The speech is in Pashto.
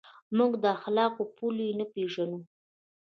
موږ د اخلاقو پولې نه پېژنو.